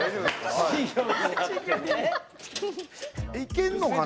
いけんのかな？